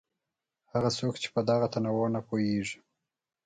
هغه څوک چې په دغه تنوع نه پوهېږي.